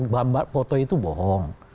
bambak foto itu bohong